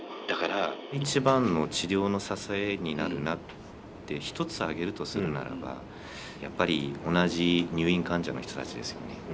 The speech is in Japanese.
だから一番の治療の支えになるなって一つ挙げるとするならばやっぱり同じ入院患者の人たちですよね。